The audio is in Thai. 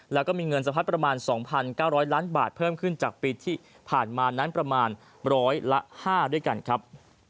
แล้วก็มีเงินสะพัดประมาณ๒๙๐๐ล้านบาทเพิ่มขึ้นจากปีที่ผ่านมานั้นประมาณร้อยละ๕ด้วยกันครับ